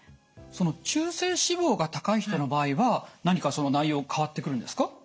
その中性脂肪が高い人の場合は何かその内容変わってくるんですか？